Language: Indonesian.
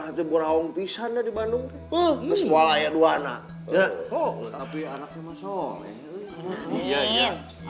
nanti berawang pisahnya di bandung semuanya dua anak ya oh tapi anaknya masyarakat